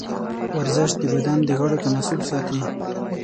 ورزش د بدن د غړو تناسب ساتي.